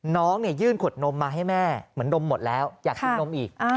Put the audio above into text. น้องยื่นขวดนมมาให้แม่เหมือนนมหมดแล้วอยากกินนมอีก